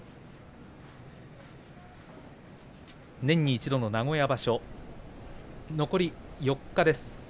年に一度の名古屋場所残り４日です。